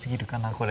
これ。